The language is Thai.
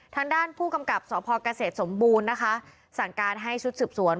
ทางด้านผู้กำกับสพเกษตรสมบูรณ์นะคะสั่งการให้ชุดสืบสวน